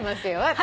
私。